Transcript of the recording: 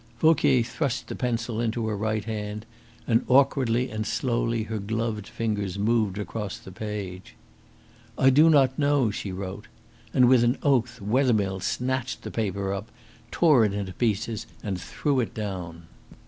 Vauquier thrust the pencil into her right hand, and awkwardly and slowly her gloved fingers moved across the page. "I do not know," she wrote; and, with an oath, Wethermill snatched the paper up, tore it into pieces, and threw it down.